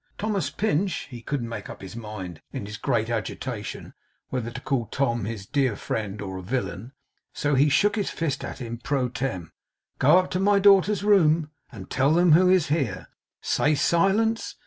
'Thomas Pinch' he couldn't make up his mind, in his great agitation, whether to call Tom his dear friend or a villain, so he shook his fist at him PRO TEM 'go up to my daughters' room, and tell them who is here. Say, Silence.